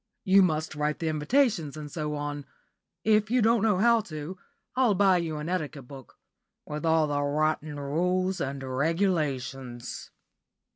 You must write the invitations and so on. If you don't know how to, I'll buy you an etiquette book, with all the rotten rules and regulations."